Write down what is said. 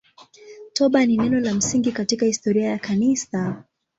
Toba ni neno la msingi katika historia ya Kanisa.